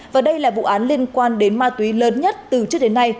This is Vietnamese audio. và đây là vụ án liên quan đến ma túy lớn nhất từ trước đến nay